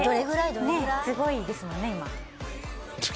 すごいですよね、今。